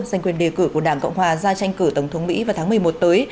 giành quyền đề cử của đảng cộng hòa ra tranh cử tổng thống mỹ vào tháng một mươi một tới